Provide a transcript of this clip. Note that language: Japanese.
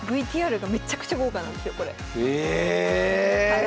ＶＴＲがめちゃくちゃ豪華なんですよこれ。